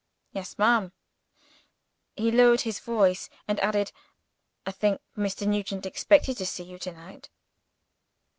"Yes, ma'am." He lowered his voice, and added, "I think Mr. Nugent expected to see you to night."